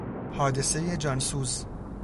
حادثهی جانسوز